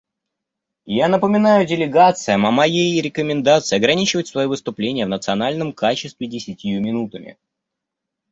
Я напоминаю делегациям о моей рекомендации ограничивать свои выступления в национальном качестве десятью минутами.